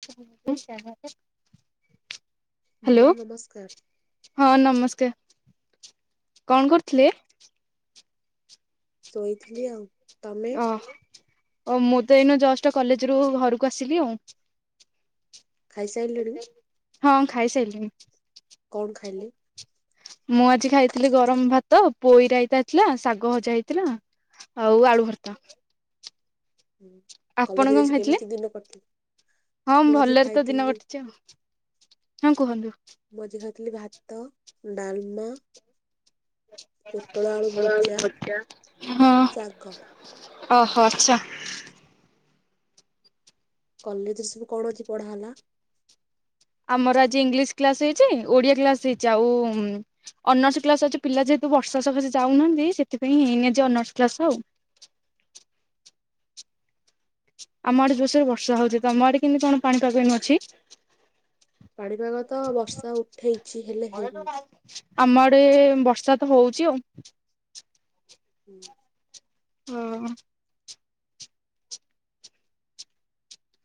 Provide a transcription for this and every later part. [unintelligible] ଭଉଣୀ ନମସ୍କାର। ହଁ ନମସ୍କାର କଣ କରୁଥିଲେ? ଶୋଇଥିଲି ଆଉ ତମେ? ହଁ ଓ ମୁଁ ତ ଏଇନ ଜଷ୍ଟ୍ କଲେଜ ରୁ ଘରକୁ ଆସିଲି ଆଉ ଖାଇସାରିଲଣି ହଁ ଖାଇ ସାରିଲିଣି କଣ ଖାଇଲେ? ମୁଁ ଆଜି ଖାଇଥିଲି ଗରମ ଭାତ ପୋଇରାଇତା ଥିଲା ଶାଗ ଭଜା ହେଇଥିଲା ଆଉ ଆଳୁ ଭର୍ତା ହୁଁ। ଆପଣ କଲେଜରେ କଣ ଆଜି ଖାଇଥିଲେ କେମିତି ଦିନ କଟିଲା? ହଁ ମୁଁ ମୁ ଆଜି ଭଲରେ ତ ଦିନ ଖାଇଥିଲି କଟିଛି ଆଉ ହଁ କୁହନ୍ତୁ। ମୁଁ ଆଜି ଖାଇଥିଲି ଭାତ ଡାଲମା ପୋଟଳ ଆଳୁ ଭଜା ଶାଗ ହଁ ଓହୋ ଆଚ୍ଛା କଲେଜ ରେ ସବୁ କଣ ଆଜି ପଢା ହେଲା? ଆମର ଆଜି ଇଂଲିଶ୍ କ୍ଲାସ ହେଇଛି ଓଡିଆ କ୍ଲାସ ହେଇଛି ଆଉ ଅନର୍ସ କ୍ଲାସ ଅଛି ପିଲା ଯେହେତୁ ବର୍ଷା ସକାଶେ ଯାଉନାହାନ୍ତି ସେଥିପାଇଁ ହେଇନି ଆଜି ଅନର୍ସ କ୍ଲାସ ଆଉ ଆମ ଆଡେ ଯୋର ସେ ବର୍ଷା ହଉଛି ତମ ଆଡେ କେମତି କଣ ପାଣି ପାାଗ ଅଛି? ପାଣିପାଗ ତ ବର୍ଷା ଉଠେଇଛି ହେଲେ ହେଇନି। ଆମଡେ ବର୍ଷା ତ ହଉଚି ଆଉ ହୁଁ। ହଁ।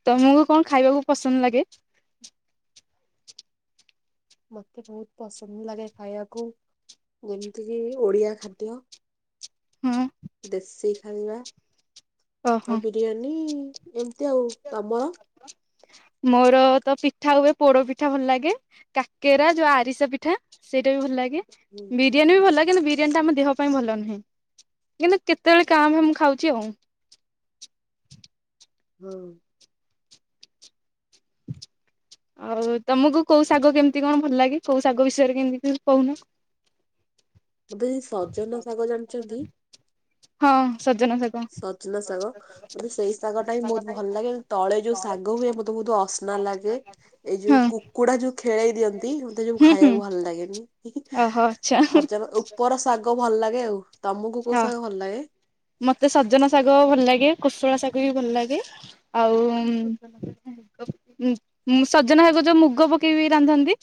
ତମକୁ କଣ ଖାଇବାକୁ ପସନ୍ଦ ଲାଗେ? ମୋତେ ବହୁତ ପସନ୍ଦ ଲାଗେ ଖାଇବାକୁ ଯେମିତିକି ଓଡ଼ିଆ ଖାଦ୍ୟ ହଁ। ଦେଶୀ ଖାଇବା ଓହୋ ଆଉ ବିରିୟାନୀ ଏମିତି ଆଉ ତମର ମୋର ତ ପିଠା ହୁଏ ପୋଡ ପିଠା ଭଲ ଲାଗେ କାକେରା ଯୋଉ ଆରିସା ପିଠା ସେଇଟା ବି ଭଲ ଲାଗେ ହୁଁ। ବିରିୟାନୀ ବି ଭଲ ଲାଗେ ବି ବିରିୟାନୀ ଟା ଆମ ଦେହ ପାଇଁ ଭଲ ନୁହେଁ କିନ୍ତୁ କେତେବେଳେ କାଆଁଭାଁ ମୁଁ ଖାଉଛି ଆଉ ହୁଁ। ଆଉ ତମକୁ କୋଉ ଶାଗ କେମିତି କଣ ଭଲ ଲାଗେ କୋଉ ଶାଗ ବିଷୟରେ କେମିତି କହୁନ? ମତେ କହୁଚି ସଜନ ଶାଗ ଜାଣିଛନ୍ତି ହଁ ସଜନ ଶା ସଚନା ସାାଗ ମତେ ସେଇ ଶାଗ ଟା ହିଁ ବହୁତ ଭଲ ଲାଗେ ତଳେ ଯୋଉ ଶାଗ ହୁଏ ମତେ ବହୁତ ଅସନା ଲାଗେ ଏଇ ହଁ ଯୋଉ କୁକୁଡା ଯୋଉ ଖେଳେଇ ଦିଅନ୍ତି ମତେ ଯୋ ହୁଁ ହୁଁ ଖାଇବାକୁ ଭଲ ଲାଗେନି ଓହୋ ଆଚ୍ଛା। ହ ଉପର ଶାଗ ଭଲ ଲାଗେ ଆଉ ତମକୁ କୋଉ ହଁ ଶାଗ ଭଲ ଲାଗେ? ମତେ ସଜନା ଶାଗ ଭଲ ଲାଗେ କୁଶଳ ଶାଗ ବି ଭଲ ଲାଗେ ଆଉ ସଜନା ଶାଗ ଯୋଉ ମୁଗ ପକେଇକି ରାନ୍ଧନ୍ତି।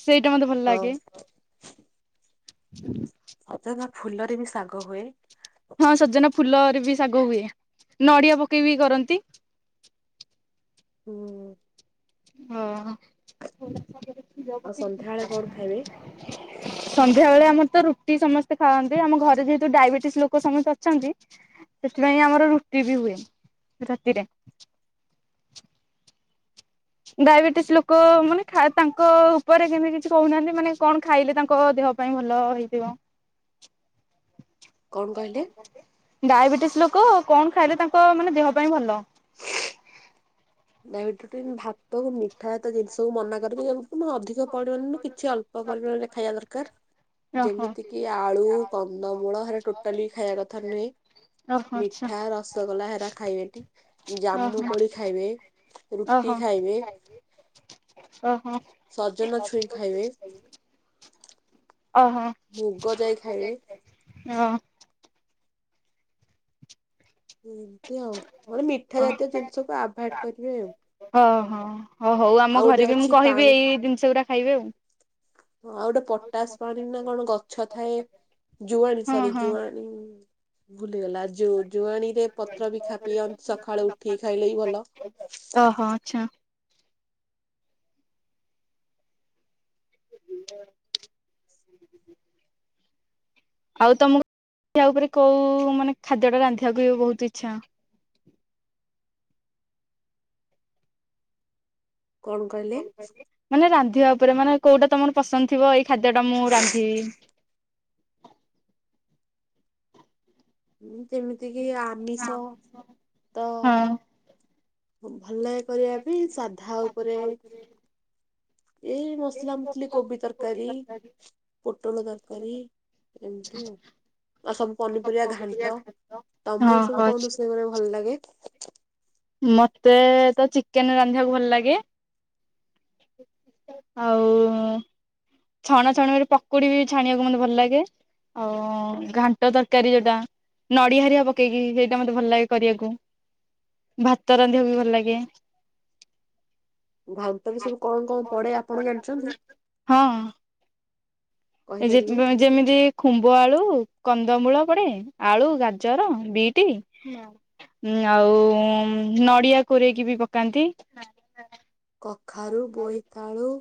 ସେଇଟା ମତେ ଭଲ ଲାଗେ ହଁ। ସଜନା ଫୁଲରେ ବି ଶାଗ ହୁଏ। ହଁ ସଜନା ଫୁଲରେ ବି ଶାଗ ହୁଏ ନଡିଆ ପକେଇ ବିି କରନ୍ତି। ହୁଁ ହଁ [unintelligible] ଆଉ ସନ୍ଧ୍ୟାବେଳେ କଣ ଖାଇବେ? ସନ୍ଧ୍ୟା ବେଳେ ଆମର ତ ରୁଟି ସମସ୍ତେ ଖାଆନ୍ତି ଆମ ଘରେ ଯେହେତୁ ଡାଇବେଟିସ ଲୋକ ସମସ୍ତେ ଅଛନ୍ତି ସେଥିପାଇଁ ଆମର ରୁଟି ବି ହୁଏ ରାତିରେ। ଡାଇବେଟିସ ଲୋକ ମାନେ ତାଙ୍କ ଉପରେ କେମିତି କିଛି କହୁନାହାନ୍ତି ମାନେ କଣ ଖାଇଲେ ତାଙ୍କ ଦେହ ପାଇଁ ଭଲ ହେଇଥିବ। କଣ କହିଲେ? ଡାଇବେଟିସ୍ ଲୋକ କଣ ଖାଇଲେ ତାଙ୍କ ମାନେ ଦେହ ପାଇଁ ଭଲ? ହଁ ଡାଇବେଟଟିନ ଭାତ ମିଠା ଜାତ ଜିନିଷ କୁ ମନା କରିକି ଅଧିକ ପଡିବନି କିଛି ଅଳ୍ପ ପରିମାଣ ରେ ଖାଇବା ଦରକାର ଓହୋ ଯେମିତି କିି ଆଳୁ କନ୍ଦମୂଳ ହେରା ଟୋଟାଲି ଖାଇବା କଥା ନୁହେଁ। ଓହୋ ଆଚ୍ଛା ମିଠା ରସଗୋ ଲା ହେରା ଖାଇବେତୀ ଜାମୁ ଓହୋ କୋଳି ଖାଇବେ। ରୁଟି ଓହୋ ଖାଇବେ ଓହୋ ସଜନ ଛୁଇଁ ଖାଇବେ। ଓହୋ ମୁଗ ଯାଇ ଖାଇବେ। ହ ଏମତି ଆଉ, ମଣେ ମିଠା ଜାତୀୟ ଜିନିଷକୁ ଆଭଏଡ କରିବେ ଆଉ। ହଁ ହଁ ହଁ ହଉ ଆମ ଆଉ ଗୋଟେ ଘରେ ବି ମୁଁ ଅଛି କହିବି ପାଣି ଏଇ ଜିନିଷ ଗୁଡ଼ା ଖାଇଵେ ଆଉ। ଆଉ ଗୋଟେ ପଟାସ ପାଣି ନା କଣ ଗଛ ଥାଏ ଜୁଆଣ ହଁ ସରି ହଁ ଜୁଆଣି। ଭୁଲିଗଲା ଜୁଆଣୀ ରେ ପତ୍ର ବି ଖାପି ସକାଳୁ ଉଠିକି ଖାଇଲେ ବିି ଭଲ। ଓହୋ ଆଚ୍ଛା [inaudible] ଆଉ ତମକୁ ଉପରେ କଉ ମାନେ ଖାଦ୍ୟଟା ରାନ୍ଧିବାକୁ ହବ ବହୁତ ଇଚ୍ଛା। କଣ କହିଲେ? ମାନେ ରାନ୍ଧିବା ଉପରେ ମାନେ କୋଉଟା ତମର ପସନ୍ଦ ଥିବ ଏଇ ଖାଦ୍ୟ ଟା ମୁଁ ରାନ୍ଧିବି। ଯେମିତି କିି ଆମିଷ ତ ହଁ। ଭଲ କରିବା ବି ସାଧା ଉପରେ ଏଇ ମସଲା ମସଲି କୋବି ତରକାରୀ ପୋଟଳ ତରକାରୀ ଏମିତି ଆଉ ଆଉ ସବୁ ପନିପରିବା ଘାଣ୍ଟ। ହଁ ତମକୁ ସବୁ ହଁ କଣ ରୋଷେଇ କରିବା ଭଲ ଲାଗେ? ମତେ ତ ଚିକେନ ରାନ୍ଧିବାକୁ ଭଲ ଲାଗେ ଆଉ ଛଣା ଛଣି ମ ପକୁଡି ବି ଛାଣିବାକୁ ମତେ ଭଲ ଲାଗେ ଆଉ ଘାଣ୍ଟ ତରକାରୀ ଯୋଉଟା ନଡିଆ ହେରିକା ପକେଇକି ସେଇଟା ମତେ ଭଲ ଲାଗେ କରିବାକୁ। ଭାତ ରାନ୍ଧିବା ବି ଭଲ ଲାଗେ। ଭାନ୍ତରେ ସବୁ କଣ କଣ ପଡେ ଆପଣ ଜାଣିଛନ୍ତି? ହଁ କହିପାରିବେ ଏଯେଟ ଯେମିତି ଖୁମ୍ଭ ଆଳୁ କନ୍ଦମୂଳ ପଡେ ଆଳୁ ଗାଜର ବିଟି ଆଉ ଉଁ ନଡିଆ କୋରେଇକି ବି ପକାନ୍ତି। କଖାରୁ ବୋଇତାଳୁ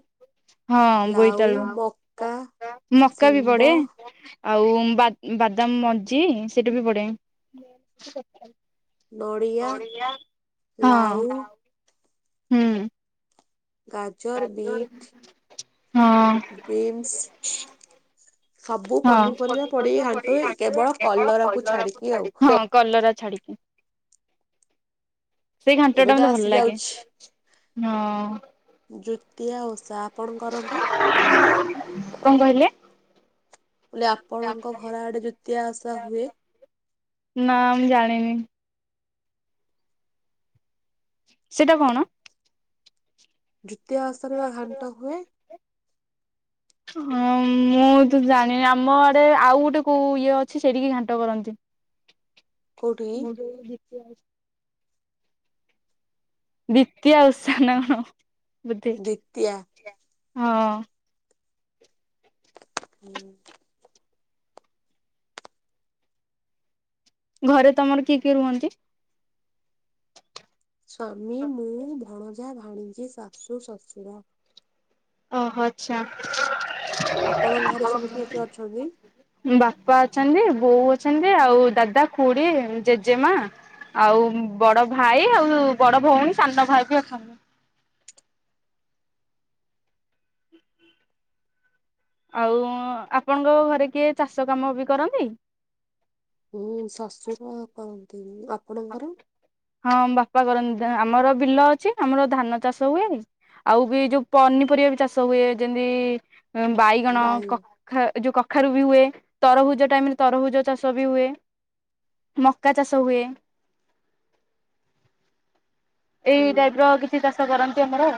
ହଁ ଲାଉ ବୋଇତାଲୁ ମକା ମକା ବି ଶିମ୍ବ ପଡେ। ଆଉ ବା-ବାଦାମ ମଞ୍ଜି ସେଇଟା ବି ପଡେ। ନଡ଼ିଆ ହଁ। ଲାଉ ହୁଁ ଗାଜର ବିଟ୍ ହଁ ବିନ୍ସ ସବୁ ହଁ। ପନିପରିବା ପଡିି ଘାଣ୍ଟୁ ହୁଏ କେବଳ କଲରାକୁୁ ଛାଡିକି ଆଉ। ହଁ କଲରା ଛାଡିକି ସେଇ ଘାଣ୍ଟ ଏବେ ଟା ତ ମତେ ଆସି ଭଲ ଲାଗେ। ଯାଉଛି ହଁ ଜୋତିଆ ଓଷା ଆପଣ କରନ୍ତି କଣ କହିଲେ? ବଲେ ଆପଣଙ୍କ ଘର ଆଡେ ଦିତିଆ ଓସା ହୁଏ? ନା ମୁଁ ଜାଣିନି ସେଇଟା କଣ? ଯୁତିଆ ଓସରେ ବା ଘାଣ୍ଟ ହୁଏ। ହଁ ମୁଁ ତ ଜାଣିନି ଆମ ଆଡେ ଆଉ ଗୋଟେ କୋଉ ଇଏ ଅଛି ସେଇଠିକି ଘାଣ୍ଟ କରନ୍ତି। କୋଉଠି ମୁଗ ତିହାସ [unintelligible] ଦିତୀୟ ଓଉ ନା କଣ ବଧେ ଦିତିଆ। ହଁ। ହୁଁ। ଘରେ ତମର କିଏ କିଏ ରୁହନ୍ତି? ସ୍ୱାମୀ ମୁଁ ଭଣଜା ଭାଣଜି ଶାଶୁ ଶଶୁର। ଓହୋ ଆଚ୍ଛା। ଆପଣଙ୍କ ଘରେ ସବୁ କିଏ କିଏ ଅଛନ୍ତି? ବାପା ଅଛନ୍ତି ବୋଉ ଅଛନ୍ତି ଆଉ ଦାଦା ଖୁଡି ଜେଜେମା ଆଉ ବଡ ଭାଇ ଆଉ ବଡ ଭଉଣୀ ସାନ ଭାଇ ବି ଅଛନ୍ତି। ଆଉ ଆପଣଙ୍କ ଘରେ କିଏ ଚାଷ କାମ ବି କରନ୍ତି? ହୁଁ ଶାଶୁର କରନ୍ତି ଆପଣଙ୍କର ହଁ ବାପା କରନ୍ତି, ଆମର ବିଲ ଅଛି ଆମର ଧାନ ଚାଷ ହୁଏ। ଆଉ ବି ଯୋଉ ପନିପରିବା ବି ଚାଷ ହୁଏ। ଯେମିତି ବାଇଗଣ ବାଇ କ ଖା ଯୋଉ କଖାରୁ ବି ହୁଏ ତରଭୁଜ ଟାଇମରେ ତରଭୁଜ ଚାଷ ବି ହୁଏ। ମକା ଚାଷ ହୁଏ, ଏଇ ହୁଁ। ଟାଇପ ର କିଛି ଚାଷ କରନ୍ତି ଆମର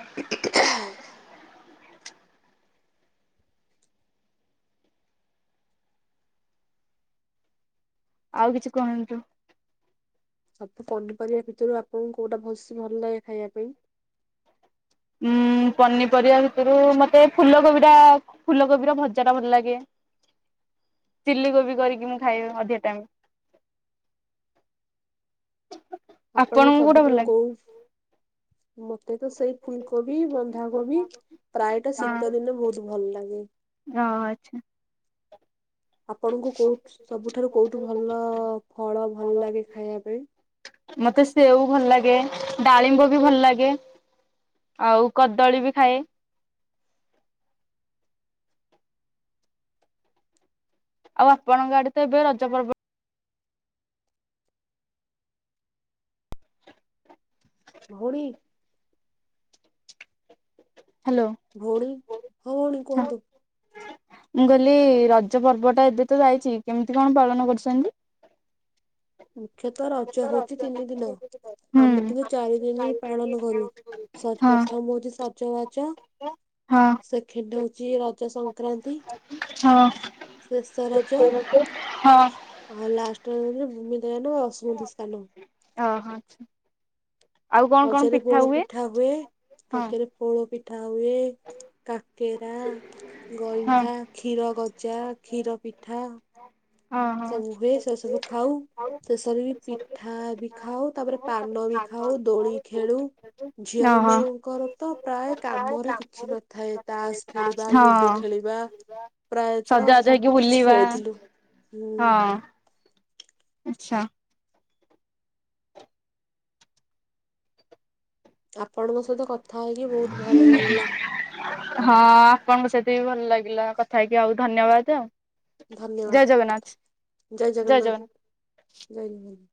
ଆଉ କିଛି କୁହନ୍ତୁ। ସବୁ ପନିପରିବା ଭିତରୁ ଆପଣଙ୍କୁ କୋଉଟା ଭଲସେ ଭଲ ଲାଗେ ଖାଇବା ପାଇଁ? ଉଁ ପନିପରିବା ଭିତରୁ ମତେ ଫୁଲକୋବି ଟା ଫୁଲକୋବି ର ଭଜା ଟା ଭଲ ଲାଗେ। ଚିଲି କୋବି କରିକି ମୁଁ ଖାଏ ଅଧିକ ଟାଇମ। ଆପଣଙ୍କୁ କୋଉଟା ଭଲ ସବୁଠାରୁ ଲାଗେ? କଉ ମତେ ତ ସେଇ ଫୁଲକୋବି ବନ୍ଧାକୋବି ପ୍ରାୟଟା ଶୀତ ଦିନେ ବହୁତ ଭଲ ଲାଗେ। ଆ ଆଚ୍ଛା। ଆପଣଙ୍କୁ କୋଉଠୁ ସବୁଠାରୁ କୋଉଠୁ ଭଲ ଫଳ ଭଲ ଲାଗେ ଖାଇବା ପାଇଁ? ମତେ ସେଓ ଭଲ ଲାଗେ, ଡାଳିମ୍ବ ବି ଭଲ ଲାଗେ। ଆଉ କଦଳୀ ବି ଖାଏ। ଆଉ ଆପଣଙ୍କ ଆଡେ ତ ଏବେ ରଜ ପର୍ବ ଭଉଣୀ ହ୍ୟାଲୋ। ଭଉଣୀ ହଁ ଭଉଣୀ କୁହନ୍ତୁ। ମୁଁ କହିଲି ରଜ ପର୍ବ ଟା ଏବେ ତ ଯାଇଛି କେମିତି କଣ ପାଳନ କରୁଛନ୍ତି? ମୁଖ୍ୟତଃ ରଜ ହଉଛି ତିନି ଦିନ ହୁଁ ଆମେ କିନ୍ତୁ ଚାରି ଦିନି ପାଳନ କରୁ। ସଜ ହଁ ପ୍ରଥମ ହଉଛି ସଜବାଜ। ହଁ ସେକେଣ୍ଡ ହଉଛି ରଜ ସଂକ୍ରାନ୍ତି। ଶେଷ ରଜ ହଁ ହଁ। ଆଉ ଲାଷ୍ଟ [unintelligible] ଭୂମି ଦୟନ ଅ ସ୍ମୃତି ସ୍ଥାନ। ଓ ହୋ ଆଛା। ରଜରେ ପୋଡ ପିଠା ହୁଏ ହଁ ରଜରେ ପୋଡ଼ ପିଠା ହୁଏ, କାକେରା, ହଁ ଗଇଁଠା। କ୍ଷୀର ଗଜା, କ୍ଷୀର ପିଠା ହଁ ହଁ ସବୁ ହୁଏ ସେ ସବୁ ଖାଉ ଶେଷରେ ବି ପିଠା ବି ଖାଉ ତାପରେ ପାନ ବି ଖାଉ ଦୋଳି ଖେଳୁ ଝିଅ ଓହୋ ମାନଙ୍କର ତ ପ୍ରାୟ କାମରେ କିଛି ନ ଥାଏ ତାସ ଖେଳିବା, ଲୁଡୁ ହଁ ଖେଳିବା, ପ୍ରାୟତଃ ସଜାବାଜ ହେଇକି ସବୁ କିଛି ବୁଲିବା ଖେଳିଥିଲୁ। ହୁଁ ହଁ ଆଚ୍ଛା। ଆପଣଙ୍କ ସହିତ କଥା ହେଇକି ବହୁତ ଭଲ ଲାଗିଲା [inaudible] ହଁ ଆପଣଙ୍କ ସହିତ ବି ଭଲ ଲାଗିଲା କଥା ହେକି ଆଉ ଧନ୍ୟବାଦ ଆଉ। ଜୟ ଧନ୍ୟବାଦ ଜଗନ୍ନାଥ ଜୟ ଜଗନ୍ନାଥ ଜୟ ଜଗନ୍ନାଥ।